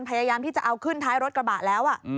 พยายามที่จะเอาขึ้นท้ายรถกระบะแล้ว